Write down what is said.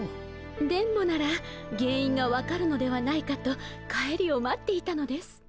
電ボなら原因が分かるのではないかと帰りを待っていたのです。